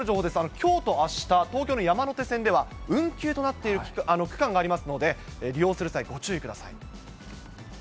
きょうとあした、東京の山手線では運休となっている区間がありますので、利用する際、ご注意ください。